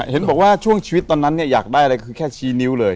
เห็นบอกว่าช่วงชีวิตตอนนั้นเนี่ยอยากได้อะไรคือแค่ชี้นิ้วเลย